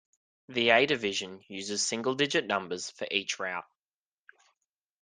The A Division uses single-digit numbers for each route.